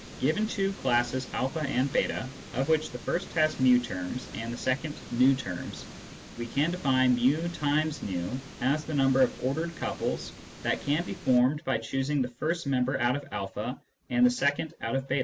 Given two classes a and j8, of which the first has [i terms and the second v terms, we can define fi X v as the number of ordered couples that can be formed by choosing the first term out of a and the second out of j8.